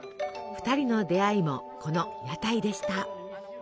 ２人の出会いもこの屋台でした。